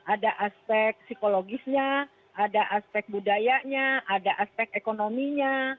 ada aspek psikologisnya ada aspek budayanya ada aspek ekonominya